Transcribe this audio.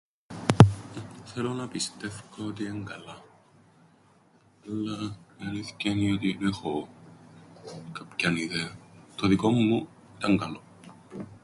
Θέλω να πιστεύκω ότι εν' καλά. Αλλά η αλήθκεια ένι ότι εν έχω... κάποιαν ιδέαν. Το δικόν μου εν' καλόν.